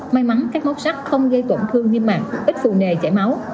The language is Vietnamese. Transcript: may mắn các mốt sắp không gây tổn thương nghiêm mạng ít phù nề chảy máu